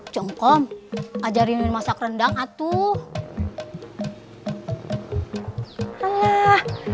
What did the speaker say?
comprom ajarin masak rendang atuh